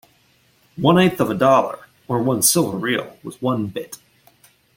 One eighth of a dollar or one silver real was one "bit".